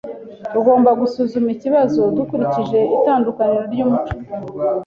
Tugomba gusuzuma ikibazo dukurikije itandukaniro ry'umuco.